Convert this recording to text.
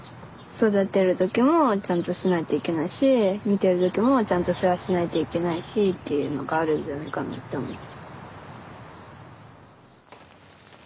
育てる時もちゃんとしないといけないし見てる時もちゃんと世話しないといけないしっていうのがあるんじゃないかなって思う。